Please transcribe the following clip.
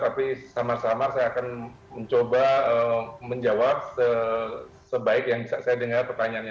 tapi sama sama saya akan mencoba menjawab sebaik yang bisa saya dengar pertanyaannya